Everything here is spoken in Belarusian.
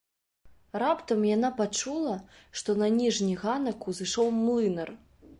Раптам яна пачула, што на ніжні ганак узышоў млынар.